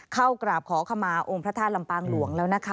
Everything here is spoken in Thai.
เข้ากราบขอขมาองค์พระธาตุลำปางหลวงแล้วนะคะ